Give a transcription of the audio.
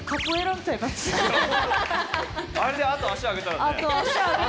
あれであと足上げたらねえ？